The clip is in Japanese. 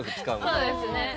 そうですね。